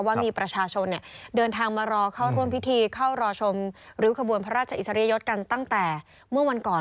ว่ามีประชาชนเดินทางมารอเข้าร่วมพิธีเข้ารอชมริ้วขบวนพระราชอิสริยยศกันตั้งแต่เมื่อวันก่อน